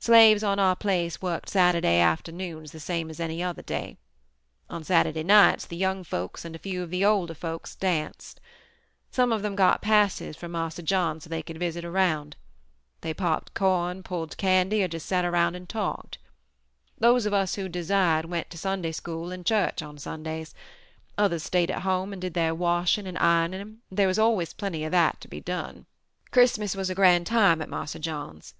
Slaves on our place worked Saturday afternoons the same as any other day. On Saturday nights the young folks and a few of the older folks danced. Some of them got passes from Marse John so they could visit around. They popped corn, pulled candy, or just sat around and talked. Those of us who desired went to Sunday School and church on Sundays; others stayed at home and did their washing and ironing, and there was always plenty of that to be done. "Christmas was a grand time at Marse John's.